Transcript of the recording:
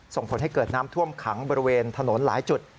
ส่งผลให้เกิดน้ำท่วมขังบริเวณถนนหลายจุด